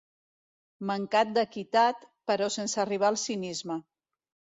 Mancat d'equitat, però sense arribar al cinisme.